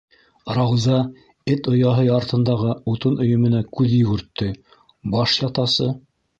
Рауза эт ояһы артындағы утын өйөмөнә күҙ йүгертте: баш ятасы?!